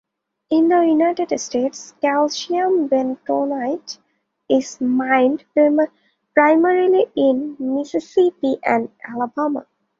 In the United States, calcium bentonite is mined primarily in Mississippi and Alabama.